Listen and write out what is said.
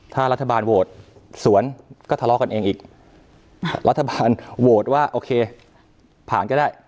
ถ้ารัฐบาลโหวตสวนก็ทะเลาะกันเองอีกรัฐบาลโหวตว่าโอเคผ่านก็ได้